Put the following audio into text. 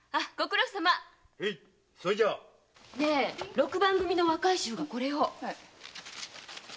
六番組の若い衆がこれを。